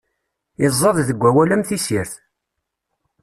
Iẓẓad deg wawal am tessirt.